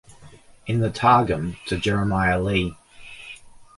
In the Targum to Jeremiah li.